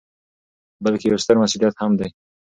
، بلکې یو ستر مسؤلیت هم دی